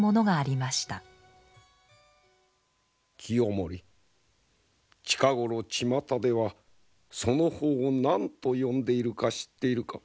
ちまたではその方を何と呼んでいるか知っているか？